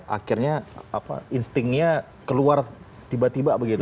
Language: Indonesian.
akhirnya instingnya keluar tiba tiba begitu